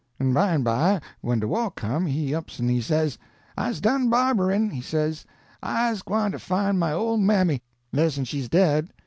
An' bymeby, when de waw come he ups an' he says: 'I's done barberin',' he says, 'I's gwyne to fine my ole mammy, less'n she's dead.'